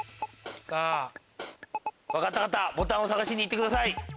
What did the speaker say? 分かった方ボタンを探しに行ってください。